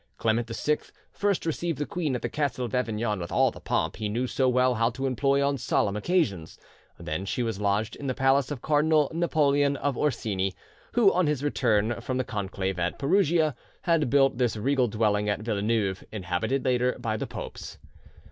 Clement VI first received the queen at the castle of Avignon with all the pomp he knew so well how to employ on solemn occasions, then she was lodged in the palace of Cardinal Napoleon of the Orsini, who on his return from the Conclave at Perugia had built this regal dwelling at Villeneuve, inhabited later by the popes.